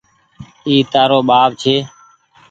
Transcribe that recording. اي تآرو ٻآپ ڇي۔